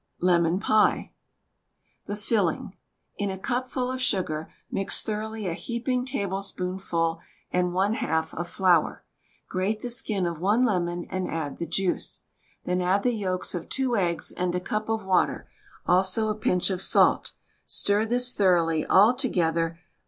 LEMON PIE The filling: In a cup full of sugar mix thoroughly a heaping tablespoonful and one half of flour. Grate the skin of one lemon, and add the juice. Then add the yolks of two eggs and a cup of water, also a pinch of salt. Stir this thoroughly, all together.